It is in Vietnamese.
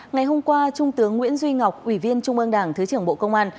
ngày hôm qua trung tướng nguyễn duy ngọc ủy viên trung ương đảng thứ trưởng bộ công an